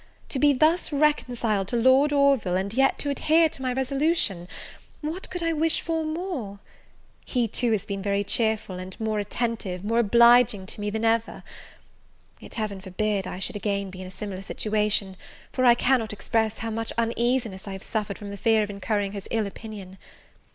to be thus reconciled to Lord Orville, and yet to adhere to my resolution, what could I wish for more? he too has been very cheerful, and more attentive, more obliging to me than ever. Yet Heaven forbid I should again be in a similar situation, for I cannot express how much uneasiness I have suffered from the fear of incurring his ill opinion.